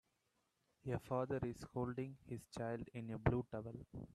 A father is holding his child in a blue towel.